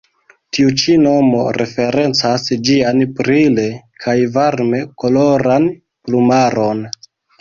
Tiu ĉi nomo referencas ĝian brile kaj varme koloran plumaron.